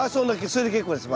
それで結構です